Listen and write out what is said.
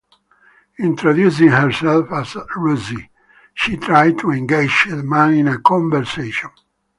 Introducing herself as Rosie, she tries to engage the man in a conversation.